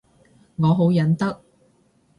我好忍得